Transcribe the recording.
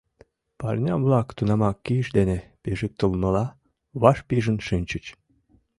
Парням-влак тунамак, киш дене пижыктылмыла, ваш пижын шинчыч.